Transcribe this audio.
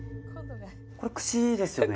これくしですよね？